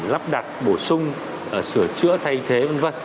lắp đặt bổ sung sửa chữa thay thế v v